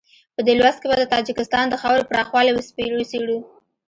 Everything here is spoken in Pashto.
په دې لوست کې به د تاجکستان د خاورې پراخوالی وڅېړو.